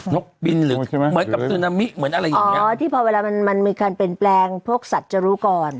นกปินเหมือนกับศิลำที่มันอาจเป็นแปลงพวกสัตว์จะรู้ก่อน